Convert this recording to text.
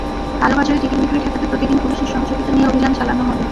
কালোবাজারে ticket বিক্রি ঠেকাতে প্রতিদিন পুলিশের সহযোগিতা নিয়ে অভিযান চালানো হবে।